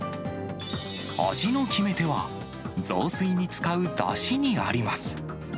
味の決め手は、雑炊に使うだしにあります。